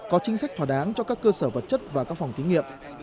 có chính sách thỏa đáng cho các cơ sở vật chất và các phòng thí nghiệm